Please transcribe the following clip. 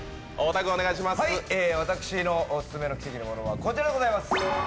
私のオススメの奇跡のものはこちらでございます。